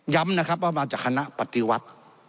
นะครับว่ามาจากคณะปฏิวัติ